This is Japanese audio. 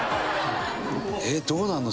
「えっどうなるの？